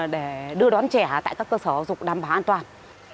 để đưa đón trẻ tại các cơ sở giáo dục đảm bảo an toàn